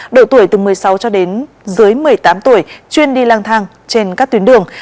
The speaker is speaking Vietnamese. độ tuổi từ một mươi sáu cho đến dưới một mươi tám tuổi chuyên đi lang thang trên các tuyến đường